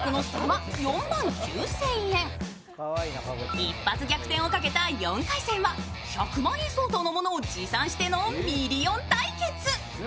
一発逆転をかけた４回戦は、１００万円相当のものを持参してのミリオン対決。